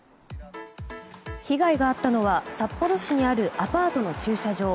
被害があったのは札幌市にあるアパートの駐車場。